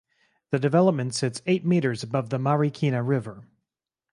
The development sits eight meters above the Marikina River.